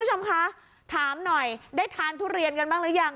คุณผู้ชมคะถามหน่อยได้ทานทุเรียนกันบ้างหรือยัง